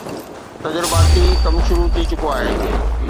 تجرباتي ڪم شروع ٿي چڪو آهي